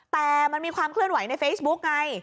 แต่มันมีความเคลื่อนไหวในเฟซบุ๊กไง